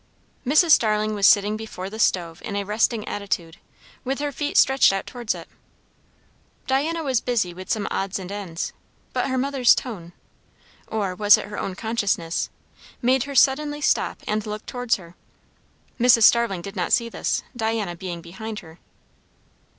Mrs. Starling was sitting before the stove in a resting attitude, with her feet stretched out towards it. Diana was busy with some odds and ends, but her mother's tone or was it her own consciousness? made her suddenly stop and look towards her. Mrs. Starling did not see this, Diana being behind her.